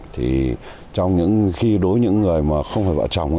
thì trong những khi đối với những người mà không phải bà chồng